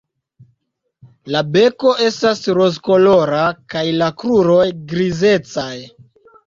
La beko estas rozkolora kaj la kruroj grizecaj.